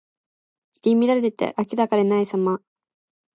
入り乱れて明らかでないさま。